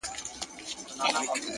خو د سندرو په محل کي به دي ياده لرم،